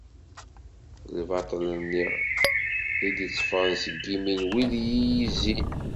Lbaṭel-nni i d-itteffɣen seg yimi n wid i iyi-izzin.